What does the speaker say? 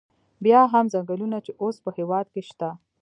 بیا هم څنګلونه چې اوس په هېواد کې شته.